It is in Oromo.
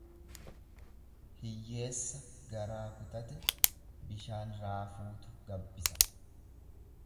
Hiyyeessa garaa kutate bishaan raafuutu gabbisa.